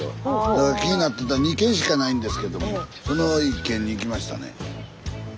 だから気になってた２軒しかないんですけどもその１軒に行きましたね。